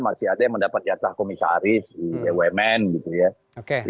masih ada yang mendapat jatah komisaris di bumn gitu ya